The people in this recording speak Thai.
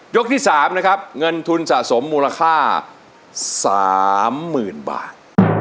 ที่๓นะครับเงินทุนสะสมมูลค่า๓๐๐๐บาท